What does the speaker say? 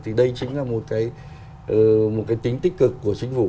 thì đây chính là một cái tính tích cực của chính phủ